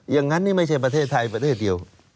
อย่างนั้นนี่ไม่ใช่ประเทศไทยประเทศเดียว